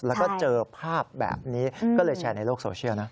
แล้วก็เจอภาพแบบนี้ก็เลยแชร์ในโลกโซเชียลนะ